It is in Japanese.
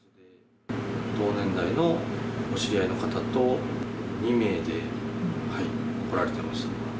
同年代のお知り合いの方と、２名で来られてました。